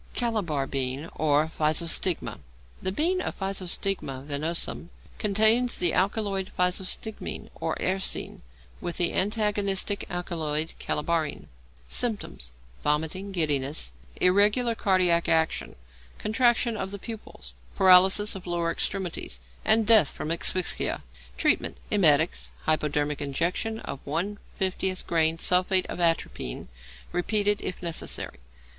=Calabar Bean or Physostigma.= The bean of Physostigma venenosum contains the alkaloid physostigmine or eserine, with the antagonistic alkaloid calabarine. Symptoms. Vomiting, giddiness, irregular cardiac action, contraction of the pupils, paralysis of lower extremities, and death from asphyxia. Treatment. Emetics; hypodermic injection of 1/50 grain sulphate of atropine, repeated if necessary.